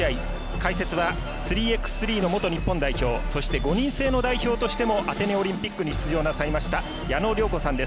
解説は３ｘ３の元日本代表そして５人制の代表としてもアテネオリンピックに出場なさいました矢野良子さんです。